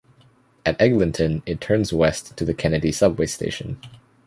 At Eglinton, it turns west to the Kennedy subway station.